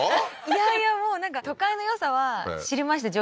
いやいやもうなんか都会のよさは知りました